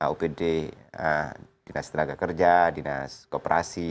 opd dinas telaga kerja dinas kopernika